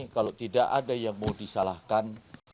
kalau tidak ada yang mau disalahkan